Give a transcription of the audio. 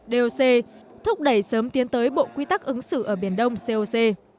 doc thúc đẩy sớm tiến tới bộ quy tắc ứng xử ở biển đông coc